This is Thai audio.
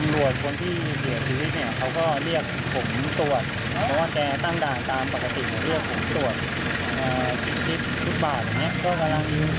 รถคันที่ว่ามาไวของคนปุ้มเดี๋ยวเขาก็ไป